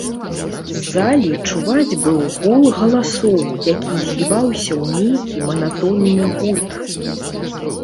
З залі чуваць быў гул галасоў, які зліваўся ў нейкі манатонны гуд.